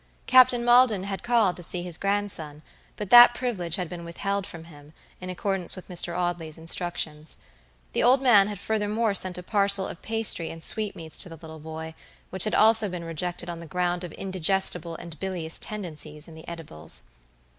Captain Maldon had called to see his grandson, but that privilege had been withheld from him, in accordance with Mr. Audley's instructions. The old man had furthermore sent a parcel of pastry and sweetmeats to the little boy, which had also been rejected on the ground of indigestible and bilious tendencies in the edibles.